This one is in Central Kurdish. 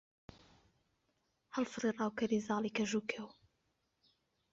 هەڵفڕی ڕاوکەری زاڵی کەژ و کێو